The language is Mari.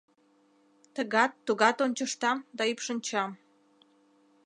Тыгат-тугат ончыштам да ӱпшынчам...